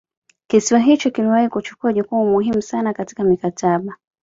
Kisiwa hicho kiliwahi kuchukua jukumu muhimu sana katika mikataba